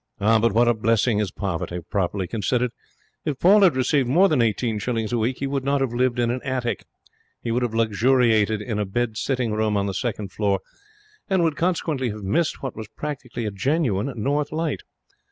What a blessing is poverty, properly considered. If Paul had received more than eighteen shillings a week he would not have lived in an attic. He would have luxuriated in a bed sitting room on the second floor; and would consequently have missed what was practically a genuine north light.